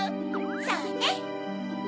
そうね！